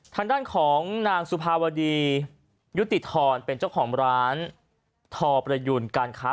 ทางด้านของนางสุภาวดียุติธรรมเป็นเจ้าของร้านทอประยุนการค้า